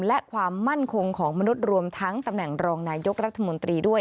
และความมั่นคงของมนุษย์รวมทั้งตำแหน่งรองนายกรัฐมนตรีด้วย